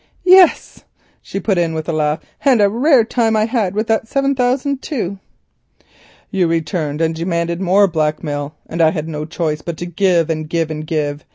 "Yes," she put in with a laugh, "and a rare time I had with that seven thousand too." "You returned and demanded more blackmail, and I had no choice but to give, and give, and give.